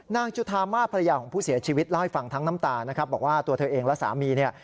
จุธามาศภรรยาของผู้เสียชีวิตเล่าให้ฟังทั้งน้ำตานะครับบอกว่าตัวเธอเองและสามีเนี่ย